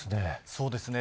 そうですね。